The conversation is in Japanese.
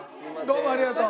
どうもありがとう。